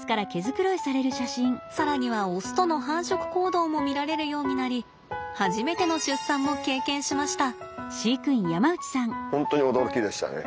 更にはオスとの繁殖行動も見られるようになり初めての出産も経験しました。